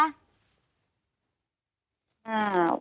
อ่า